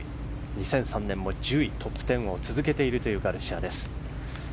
２００３年も１０位とトップ１０を続けているガルシアです。